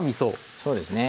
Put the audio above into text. そうですね。